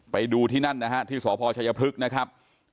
ไปดูที่นั่นนะฮะที่สพชัยพฤกษ์นะครับ